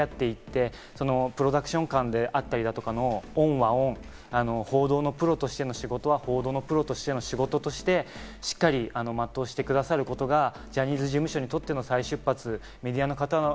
向き合っていって、プロダクション間であったりとかの恩は恩、報道のプロとしての仕事は報道のプロとしての仕事としてしっかり全うして下さることがジャニーズ事務所にとっての再出発。